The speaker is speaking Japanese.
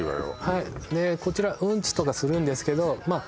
はいでこちらウンチとかするんですけどまあ